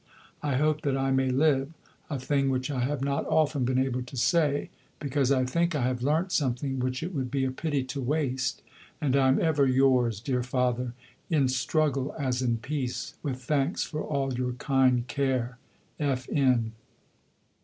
I hope that I may live; a thing which I have not often been able to say, because I think I have learnt something which it would be a pity to waste. And I am ever yours, dear father, in struggle as in peace, with thanks for all your kind care, F. N.